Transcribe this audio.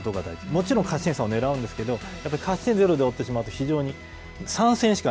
もちろん勝ち点３をねらうんですけど、やっぱり勝ち点０で終わってしまうと、非常に。